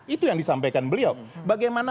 itu yang disampaikan beliau bagaimana